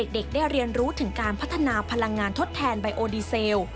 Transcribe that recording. เด็กได้เรียนรู้ถึงการพัฒนาพลังงานทดแทนไบโอดีเซล